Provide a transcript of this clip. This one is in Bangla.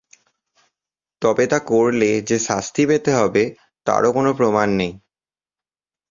তবে তা করলে যে শাস্তি পেতে হত, তারও কোনো প্রমাণ নেই।